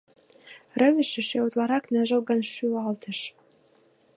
Рывыж эше утларак ныжылгын шӱлалтыш: